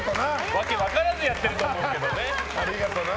訳分からずやってると思うけどね。